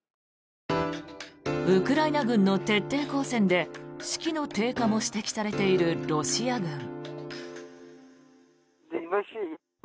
ウクライナ軍の徹底抗戦で士気の低下も指摘されているロシア軍。